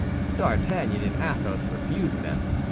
D'Artagnan and Athos refused them.